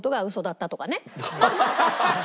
ハハハハ！